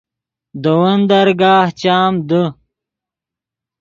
دے ون درگاہ چام دے